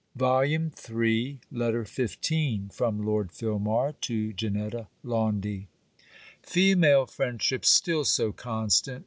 JANETTA LAUNDY LETTER XV FROM LORD FILMAR TO JANETTA LAUNDY Female friendship still so constant!